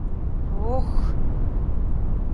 О-ох!..